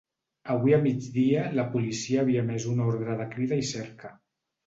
Avui a migdia la policia havia emès una ordre de crida i cerca.